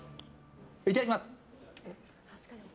いただきます！